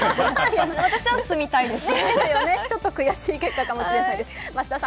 私は住みたいです。